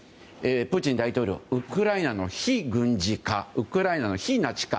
プーチン大統領ウクライナの非軍事化ウクライナの非ナチ化。